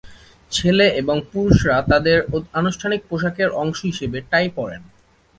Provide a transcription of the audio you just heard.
ছেলে এবং পুরুষরা তাদের আনুষ্ঠানিক পোশাকের অংশ হিসেবে টাই পরেন।